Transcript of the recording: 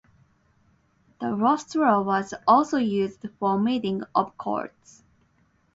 The Rostra was also used for meetings of courts.